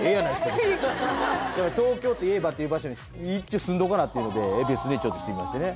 別に東京っていえばっていう場所に一応住んどかなっていうので恵比寿にちょっと住みましたね